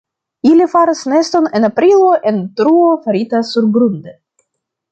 Ili faras neston en aprilo en truo farita surgrunde.